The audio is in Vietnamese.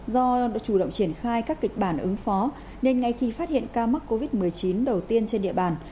do đã chủ động triển khai các kịch bản ứng phó nên ngay khi phát hiện ca mắc covid một mươi chín đầu tiên trên địa bàn